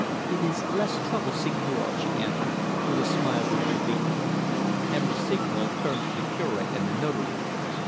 "It is less trouble, Seigneur," she answered, with a smile of relief. M. Rossignol turned to the Cure and the Notary.